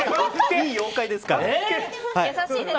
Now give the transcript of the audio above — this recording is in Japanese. いい妖怪ですから。